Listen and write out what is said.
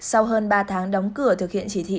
sau hơn ba tháng đóng cửa thực hiện chỉ thị